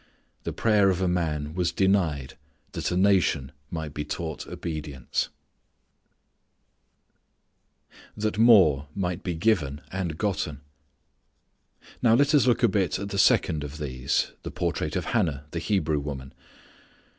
The prayer of a man was denied that a nation might be taught obedience. That More Might be Given and Gotten. Now let us look a bit at the second of these, the portrait of Hannah the Hebrew woman.